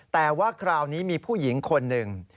แต่ว่าคราวนี้มีผู้หญิงคนหนึ่ง